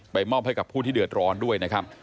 มอบให้กับผู้ที่เดือดร้อนด้วยนะครับ